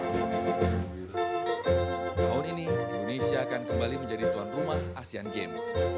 tahun ini indonesia akan kembali menjadi tuan rumah asean games